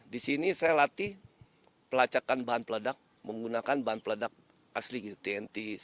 di sini saya latih pelacakan bahan peledak menggunakan bahan peledak aslinya tnt